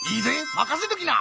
任せときな！